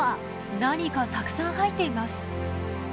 何かたくさん入っています。